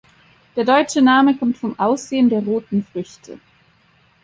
Der deutsche Name kommt vom Aussehen der roten Früchte.